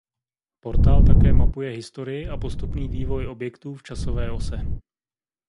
Portál také mapuje historii a postupný vývoj objektů v časové ose.